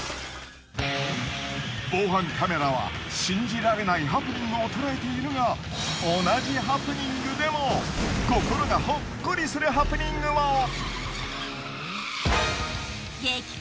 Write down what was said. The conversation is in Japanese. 防犯カメラは信じられないハプニングを捉えているが同じハプニングでも心がほっこりするハプニングも。